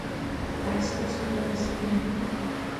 ایا ستاسو لاره سپینه نه ده؟